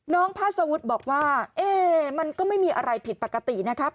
น้องพาสวุทธ์บอกว่าเอ้มันก็ไม่มีอะไรผิดปกตินะครับ